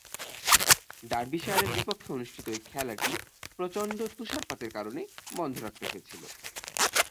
ডার্বিশায়ারের বিপক্ষে অনুষ্ঠিত ঐ খেলাটি প্রচণ্ড তুষারপাতের কারণে বন্ধ রাখতে হয়েছিল।